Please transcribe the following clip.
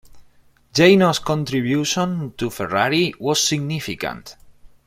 Jano's contribution to Ferrari was significant.